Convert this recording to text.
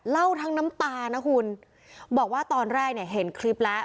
เล่าทั้งน้ำตานะคุณบอกว่าตอนแรกเนี่ยเห็นคลิปแล้ว